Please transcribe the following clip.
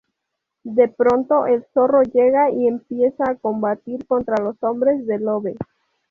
De pronto el Zorro llega y empieza a combatir contra los hombres de Love.